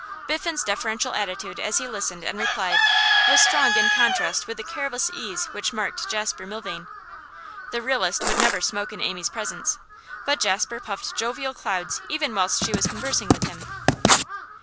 Biffen's deferential attitude as he listened and replied was in strong contrast with the careless ease which marked Jasper Milvain. The realist would never smoke in Amy's presence, but Jasper puffed jovial clouds even whilst she was conversing with him.